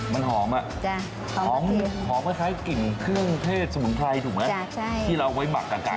มันหอมหอมคล้ายกลิ่นเครื่องเทศสมุนไพรถูกไหมที่เราไว้หมักกับไก่